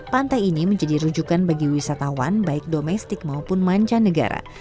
pantai ini menjadi rujukan bagi wisatawan baik domestik maupun mancanegara